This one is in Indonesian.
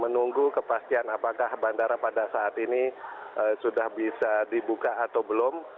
menunggu kepastian apakah bandara pada saat ini sudah bisa dibuka atau belum